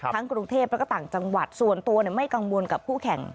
กรุงเทพแล้วก็ต่างจังหวัดส่วนตัวไม่กังวลกับผู้แข่ง